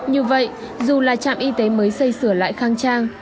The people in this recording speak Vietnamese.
như vậy dù là trạm y tế mới xây sửa lại khang trang